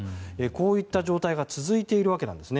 こういった状態が続いているわけなんです。